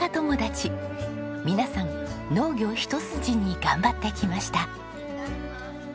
皆さん農業一筋に頑張ってきました。